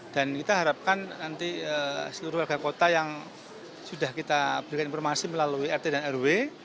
dan kita harapkan nanti seluruh warga kota yang sudah kita berikan informasi melalui rt dan rw